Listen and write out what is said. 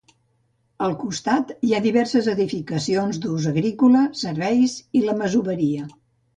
Al costat, hi ha diverses edificacions d'ús agrícola, serveis i la masoveria.